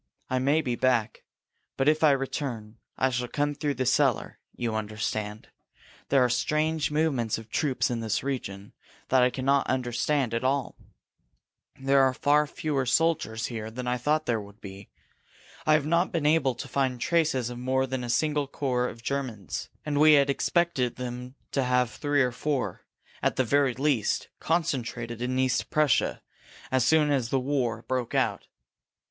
I may be back. But if I return, I shall come through the cellar you understand? There are strange movements of troops in this region that I cannot understand at all. There are far fewer soldiers here than I thought there would be. I have not been able to find traces of more than a single corps of Germans and we had expected them to have three or four, at the very least, concentrated in East Prussia as soon as the war broke out.